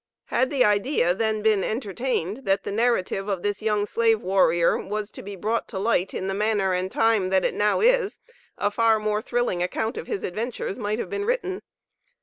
Had the idea then been entertained, that the narrative of this young slave warrior was to be brought to light in the manner and time that it now is, a far more thrilling account of his adventures might have been written.